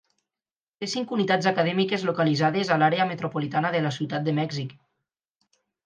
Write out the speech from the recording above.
Té cinc unitats acadèmiques localitzades a l'àrea metropolitana de la ciutat de Mèxic.